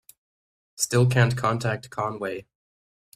Still can't contact Conway.